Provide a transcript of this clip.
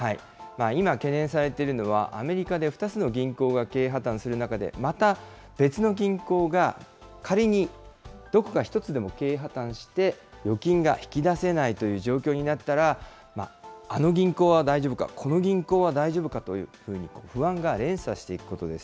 今、懸念されているのは、アメリカで２つの銀行が経営破綻する中で、また別の銀行が、仮にどこか１つでも経営破綻して、預金が引き出せないという状況になったら、あの銀行は大丈夫か、この銀行は大丈夫かというふうに、不安が連鎖していくことです。